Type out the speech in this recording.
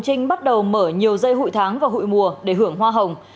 trinh bắt đầu mở nhiều dây hụi tháng và hụi mùa để hưởng hoa hồng